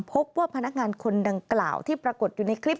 พบว่าพนักงานคนดังกล่าวที่ปรากฏอยู่ในคลิป